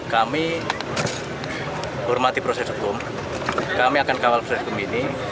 kami hormati proses hukum kami akan kawal proses hukum ini